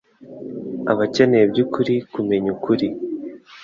Abakeneye by’ukuri kumenya ukuri